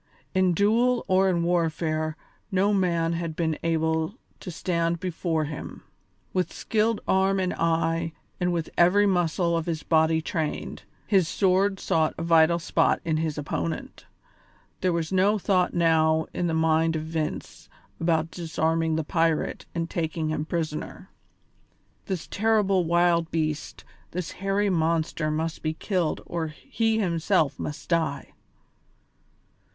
In duel or in warfare, no man yet had been able to stand before him. With skilled arm and eye and with every muscle of his body trained, his sword sought a vital spot in his opponent. There was no thought now in the mind of Vince about disarming the pirate and taking him prisoner; this terrible wild beast, this hairy monster must be killed or he himself must die.